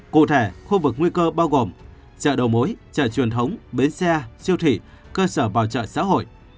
cụ thể khu vực nguy cơ bao gồm chợ đầu mối chợ truyền thống bến xe siêu thị cơ sở bảo trợ xã hội